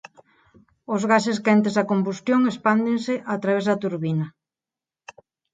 Os gases quentes da combustión expándese a través da turbina.